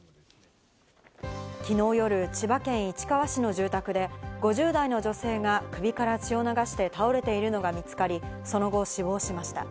昨日夜、千葉県市川市の住宅で５０代の女性が首から血を流して倒れているのが見つかり、その後、死亡しました。